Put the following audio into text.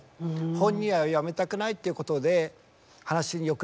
本人はやめたくないっていうことで話によくなります。